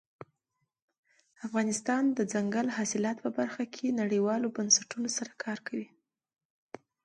افغانستان د دځنګل حاصلات په برخه کې نړیوالو بنسټونو سره کار کوي.